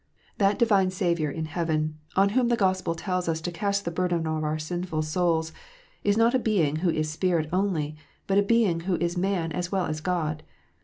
That divine Saviour in heaven, on whom the Gospel tells us to cast the burden of our sinful souls, is not a Being who is Spirit only, but a Being who is man as well as God.